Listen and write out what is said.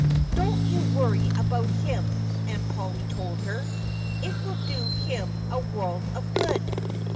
"Don't you worry about him!" Aunt Polly told her. "It will do him a world of good."